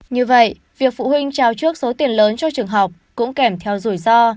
như vậy việc phụ huynh trao trước số tiền lớn cho trường học cũng kèm theo rủi ro